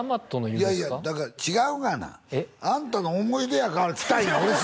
いやいやだから違うがなあんたの思い出やから来たんや！